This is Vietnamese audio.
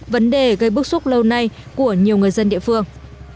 vấn đề gây bức xúc lâu nay của nhiều người dân địa phương